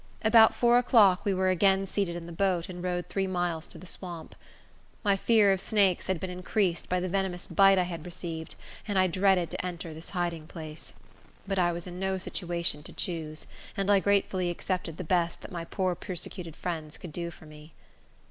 About four o'clock, we were again seated in the boat, and rowed three miles to the swamp. My fear of snakes had been increased by the venomous bite I had received, and I dreaded to enter this hiding place. But I was in no situation to choose, and I gratefully accepted the best that my poor, persecuted friends could do for me.